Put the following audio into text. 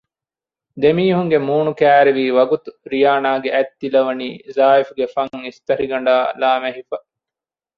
ދެމީހުންގެ މޫނު ކައިރިވީވަގުތު ރިޔާނާގެ އަތްތިލަވަނީ ޒާއިފްގެ ފަންއިސްތަށިގަނޑާއި ލާމެހިފަ